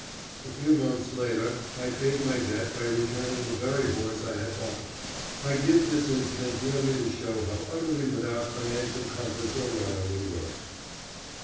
A few months later, I paid my debt by returning the very horse I had bought. I give this incident merely to show how utterly without financial compass or rudder we were.